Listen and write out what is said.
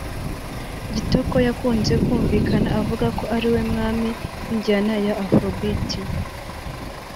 Kitoko yakunze kumvikana avuga ko ariwe mwami w’injyana ya Afrobeat